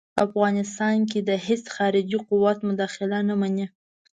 افغانستان کې د هیڅ خارجي قوت مداخله نه مني.